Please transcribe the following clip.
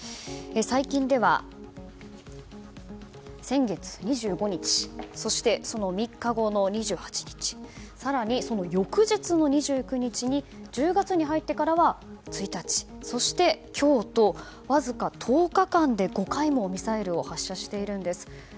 最近では先月２５日そして、その３日後の２８日更に、その翌日の２９日に１０月に入ってからは１日そして今日と、わずか１０日間で５回もミサイルを発射しているんです。